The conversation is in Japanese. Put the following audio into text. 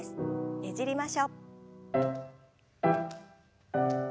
ねじりましょう。